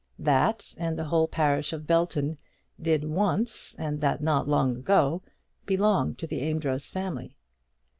That and the whole parish of Belton did once, and that not long ago, belong to the Amedroz family.